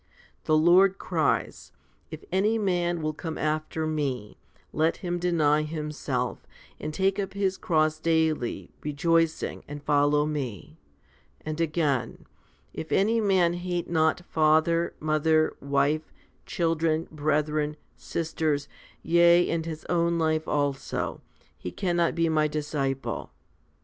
The Lord cries, // any man will come after Me, let him deny himself, and take up his cross daily rejoicing and follow Me; l and again, // any man hate not father, mother, wife, children, brethren, sisters, yea and his own life also, he cannot be My disciple?